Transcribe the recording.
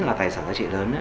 là tài sản giá trị lớn